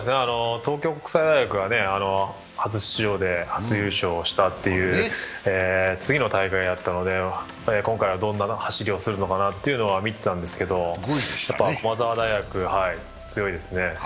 東京国際大学は初出場で初優勝したという次の大会だったので、今回はどんな走りをするかなというのは見ていたんですけど、駒澤大学、強いですね。